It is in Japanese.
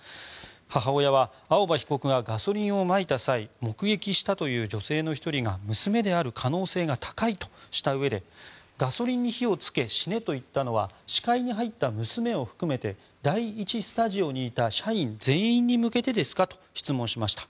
母親は青葉被告がガソリンをまいた際目撃したという女性の１人が娘である可能性が高いとしたうえでガソリンに火をつけ死ねと言ったのは視界に入った娘を含めて第１スタジオにいた社員全員に向けてですか？と質問しました。